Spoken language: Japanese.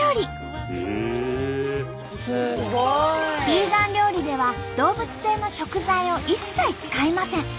ビーガン料理では動物性の食材を一切使いません。